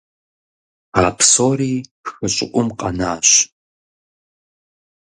А псори хы щӀыӀум къэнащ.